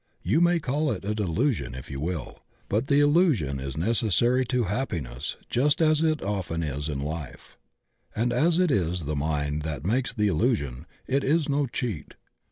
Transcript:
You may call it a delu sion if you will, but the illusion is necessary to happi ness just as it often is in Ufe. And as it is the mind that makes the illusion, it is no cheat.